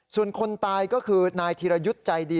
ส่วนคนตายก็คือนายธีรยุทธ์ใจดี